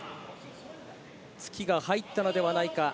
突きが入ったのではないか。